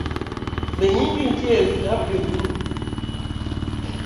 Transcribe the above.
Benyingi nitie e kitap jo grup?